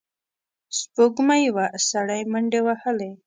سپوږمۍ وه، سړی منډې وهلې.